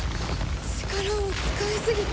力を使いすぎた。